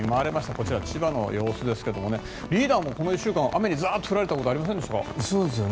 こちら、千葉の様子ですけどもリーダーもこの１週間雨にざっと降られたことありませんでしたか。